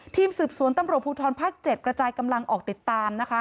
ทีมสืบสวนตำรวจภูทรภาค๗กระจายกำลังออกติดตามนะคะ